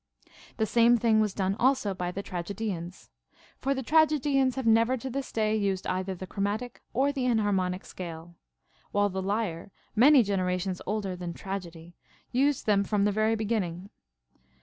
20. The same thing was done also by the tragedians. For the tragedians have never to this day used either the chromatic or the enharmonic scale ; ΛνΜΙβ the lyre, many generations older than tragedy, used them from the very beginning.